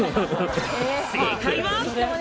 正解は。